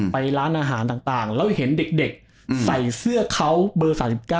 ไปร้านอาหารต่างแล้วเห็นเด็กใส่เสื้อเขาเบอร์๓๙